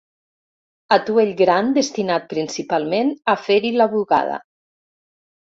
Atuell gran destinat principalment a fer-hi la bugada.